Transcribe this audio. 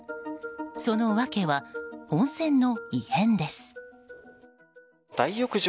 その訳は温泉の異変です。